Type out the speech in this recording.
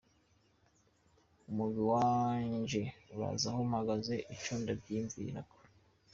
"Umugwi wanje urazi aho mpagaze, ico ndavyiyumvirako.